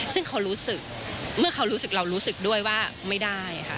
ซึ่งเขารู้สึกเมื่อเขารู้สึกเรารู้สึกด้วยว่าไม่ได้ค่ะ